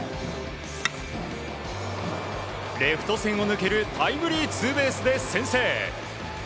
レフト線を抜けるタイムリーツーベースで先制。